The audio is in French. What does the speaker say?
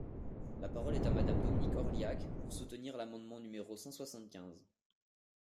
La parole est à Madame Dominique Orliac, pour soutenir l’amendement numéro cent soixante-quinze.